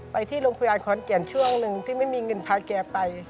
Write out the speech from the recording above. ไปที่โรงพยาบาลขอนแก่นช่วงหนึ่งที่ไม่มีเงินพาแกไป